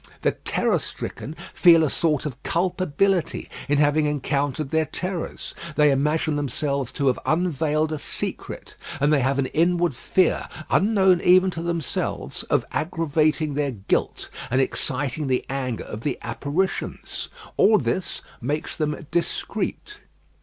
The terror stricken feel a sort of culpability in having encountered their terrors; they imagine themselves to have unveiled a secret; and they have an inward fear, unknown even to themselves, of aggravating their guilt, and exciting the anger of the apparitions. All this makes them discreet.